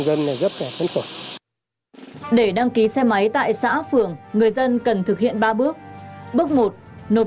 dân này rất là phấn khổ để đăng ký xe máy tại xã phưởng người dân cần thực hiện ba bước bước một nộp